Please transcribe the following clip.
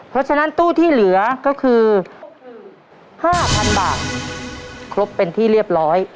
เพราะฉะนั้นตู้ที่เหลือก็คือ๕๐๐๐บาทครบเป็นที่เรียบร้อย